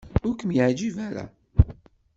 Ur kem-yeɛjib ara?